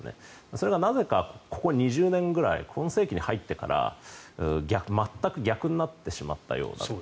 それがここ２０年くらい今世紀に入ってから全く逆になってしまったようだ。